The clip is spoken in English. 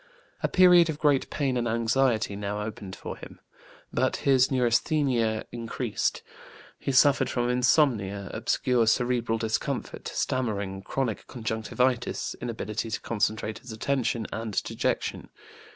A period of great pain and anxiety now opened for him. But his neurasthenia increased; he suffered from insomnia, obscure cerebral discomfort, stammering, chronic conjunctivitis, inability to concentrate his attention, and dejection.